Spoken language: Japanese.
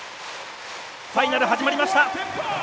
ファイナル始まりました。